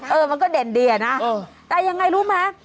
เออมันก็เด่นดีอะนะแต่ยังไงรู้ไหม